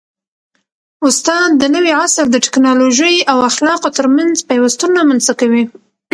استاد د نوي عصر د ټیکنالوژۍ او اخلاقو ترمنځ پیوستون رامنځته کوي.